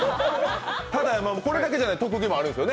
ただ、これだけじゃない特技もあるんですよね。